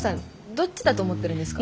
どっちだと思ってるんですか？